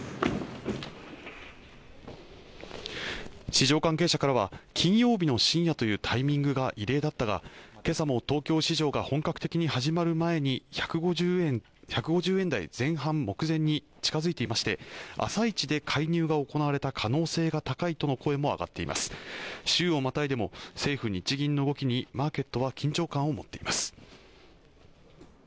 市場関係者からは金曜日の深夜というタイミングが異例だったが、今朝も東京市場が本格的に始まる前に１５０円台前半目前に近づいていまして朝一で介入が行われた可能性が高いとの声も上がっていて週をまたいでも政府・日銀の動きにマーケットは緊張感を持っています。